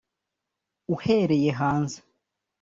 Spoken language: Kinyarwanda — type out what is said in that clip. uhereye hanze,